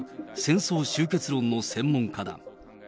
戦争終結論の専門家だ。